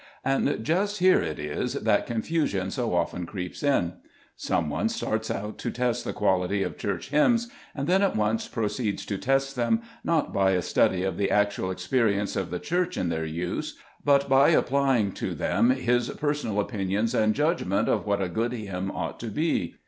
And just here it is that confusion so often creeps in. Some one starts out to test the quality of Church hymns, and then at once proceeds to test them, not by a study of the actual experience of the Church in their use, but by applying to them his personal opinions and judgment of what a good hymn ought to be.